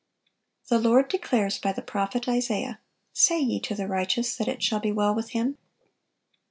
The Lord declares by the prophet Isaiah, "Say ye to the righteous, that it shall be well with him."